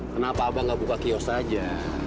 kenapa abang gak buka kiosk aja